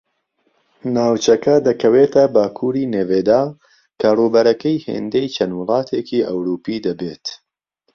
ناوچەکە دەکەوێتە باکوری نێڤێدا کە ڕووبەرەکەی ھێندەی چەند وڵاتێکی ئەوروپی دەبێت